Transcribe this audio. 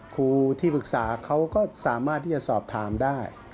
ครูที่ปรึกษาเขาก็สามารถที่จะสอบถามได้